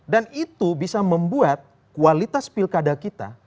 dan itu bisa membuat kualitas pilkada kita